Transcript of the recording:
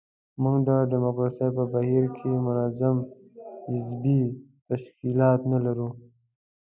موږ د ډیموکراسۍ په بهیر کې منظم حزبي تشکیلات نه لرو.